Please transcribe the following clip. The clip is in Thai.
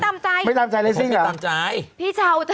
ไม่ตามใจ